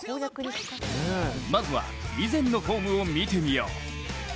まずは、以前のフォームを見てみよう。